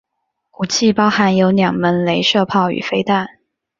武器包含有两门雷射炮与飞弹。